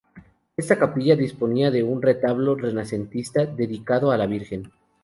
Esta capilla disponía de un retablo renacentista dedicado a la Virgen.